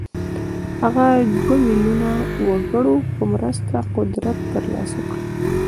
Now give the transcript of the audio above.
هغه د دوه ميليونه وګړو په مرسته قدرت ترلاسه کړ.